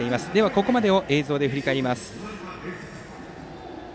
ここまでを映像で振り返ります。